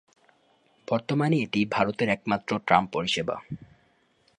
বর্তমানে এটি ভারতের একমাত্র ট্রাম পরিসেবা।